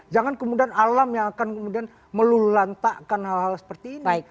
jangan kemudian alam yang akan kemudian melulantakkan hal hal seperti ini